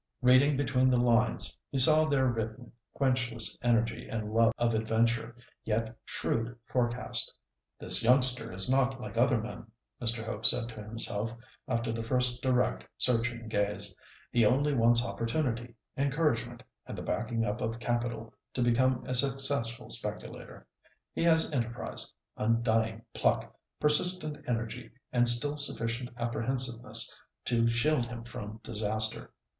Reading between the lines, he saw there written quenchless energy and love of adventure, yet shrewd forecast. "This youngster is not like other men," Mr. Hope said to himself, after the first direct, searching gaze. "He only wants opportunity, encouragement, and the backing up of capital to become a successful speculator. He has enterprise, undying pluck, persistent energy, and still sufficient apprehensiveness to shield him from disaster.